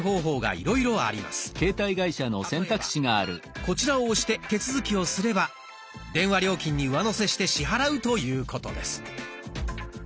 例えばこちらを押して手続きをすれば電話料金に上乗せして支払うということです。